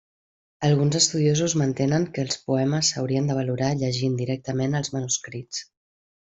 Alguns estudiosos mantenen que els poemes s'haurien de valorar llegint directament els manuscrits.